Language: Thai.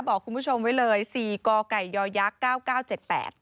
บอกคุณผู้ชมไว้เลย๔กไก่ยอยักษ์๙๙๗๘